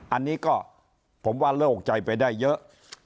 อันนี้ก็ผมว่าโล่งใจไปได้เยอะ